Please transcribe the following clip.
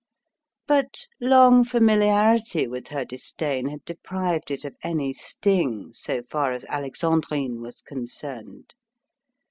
But long familiarity with her disdain had deprived it of any sting, so far as Alexandrine was concerned.